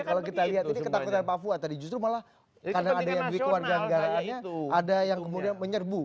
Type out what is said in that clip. kalau kita lihat ini ketakutan papua tadi justru malah karena ada yang duit kewarganegaraannya ada yang kemudian menyerbu